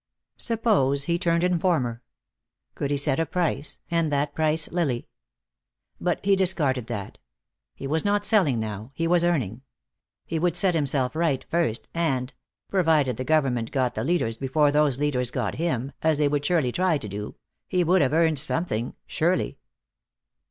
Suppose he turned informer? Could he set a price, and that price Lily? But he discarded that. He was not selling now, he was earning. He would set himself right first, and provided the government got the leaders before those leaders got him, as they would surely try to do he would have earned something, surely.